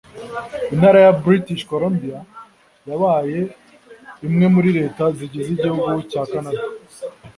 Intara ya British Columbia yabaye imwe muri Leta zigize igihugu cya Canada